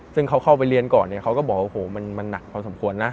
ซึ่งเขาเข้าไปเรียนก่อนเขาก็บอกว่ามันหนักพอสมควรนะ